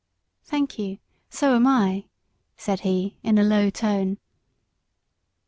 "Thank you so am I," said he, in a low tone.